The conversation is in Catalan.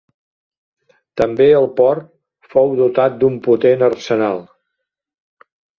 També el port fou dotat d'un potent arsenal.